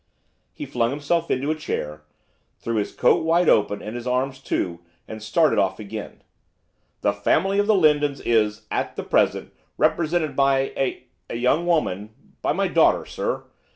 He flung himself into a chair, threw his coat wide open, and his arms too, and started off again. 'The family of the Lindons is, at this moment, represented by a a young woman, by my daughter, sir.